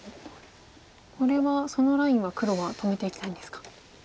これはそのラインは黒は止めていきたいんですか。